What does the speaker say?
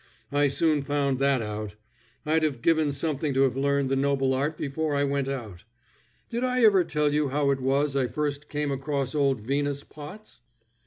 I soon found that out. I'd have given something to have learned the noble art before I went out. Did I ever tell you how it was I first came across old Venus Potts?"